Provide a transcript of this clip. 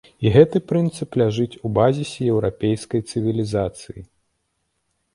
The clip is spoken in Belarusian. І гэты прынцып ляжыць у базісе еўрапейскай цывілізацыі.